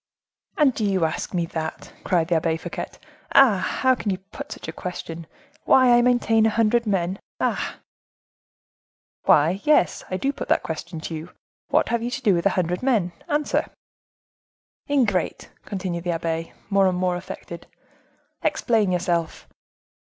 "And do you ask me that?" cried the Abbe Fouquet; "ah! how can you put such a question,—why I maintain a hundred men? Ah!" "Why, yes, I do put that question to you. What have you to do with a hundred men?—answer." "Ingrate!" continued the abbe, more and more affected. "Explain yourself."